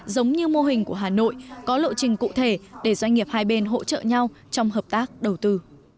giống như mô hình của hà nội có lộ trình cụ thể để doanh nghiệp hai bên hỗ trợ nhau trong hợp tác đầu tư